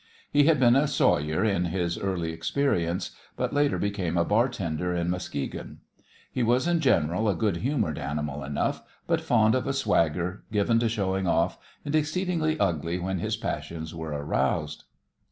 He had been a sawyer in his early experience, but later became a bartender in Muskegon. He was in general a good humoured animal enough, but fond of a swagger, given to showing off, and exceedingly ugly when his passions were aroused.